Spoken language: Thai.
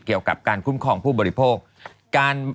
เกี่ยวกับการคุ้มครองผู้บริโภค